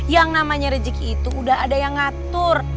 yang namanya rezeki itu udah ada yang ngatur